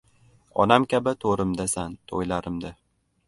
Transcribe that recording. Onam kabi to‘rimdasan, to‘ylarimda